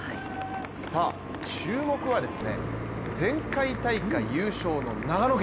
注目は前回大会優勝の長野県。